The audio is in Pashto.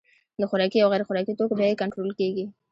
د خوراکي او غیر خوراکي توکو بیې کنټرول کیږي.